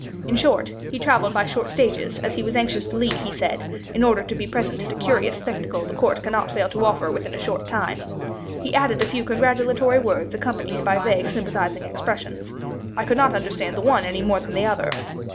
In short, he travelled by short stages, as he was anxious to leave, he said, in order to be present at a curious spectacle the court cannot fail to offer within a short time. He added a few congratulatory words accompanied by vague sympathizing expressions. I could not understand the one any more than the other.